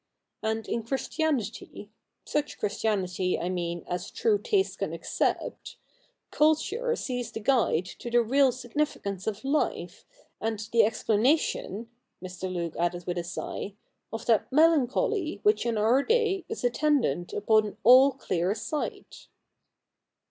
And in Christianity — such Christianity, I mean, as true taste can accept — culture sees the guide to the real significance of life, and the explanation,' Mr. Luke added with a sigh, ' of that melancholy which in our day is attendant upon all clear sight.'